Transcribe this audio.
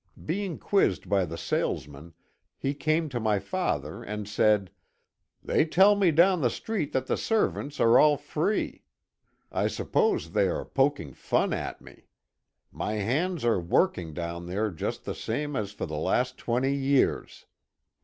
Being quizzed by the salesmen, he came to my father and said, ^' They tell me down the street that the servants are all free. I suppose they are poking fun at me. My hands are working down there just the same as for the last twenty years."